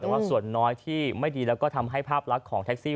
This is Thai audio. แต่ว่าส่วนน้อยที่ไม่ดีแล้วก็ทำให้ภาพลักษณ์ของแท็กซี่